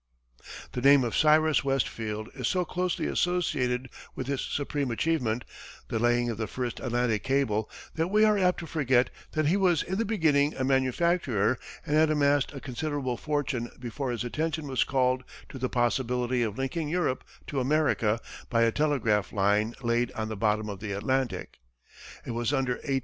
The name of Cyrus West Field is so closely associated with his supreme achievement, the laying of the first Atlantic cable, that we are apt to forget that he was in the beginning a manufacturer and had amassed a considerable fortune before his attention was called to the possibility of linking Europe to America by a telegraph line laid on the bottom of the Atlantic. It was under A.